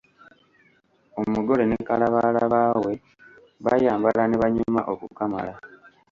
Omugole ne kalabalaba we bayambala ne banyuma okukamala.